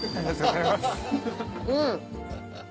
うん。